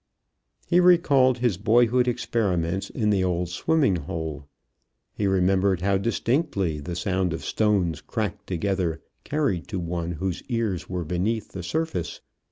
He recalled his boyhood experiments in the old swimming hole. He remembered how distinctly the sound of stones cracked together carried to one whose ears were beneath the surface.